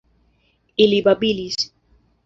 Ili babilis.